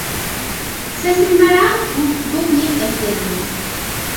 Se estrenará en Dublín este año.